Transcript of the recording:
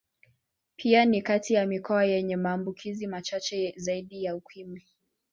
Pia ni kati ya mikoa yenye maambukizi machache zaidi ya Ukimwi.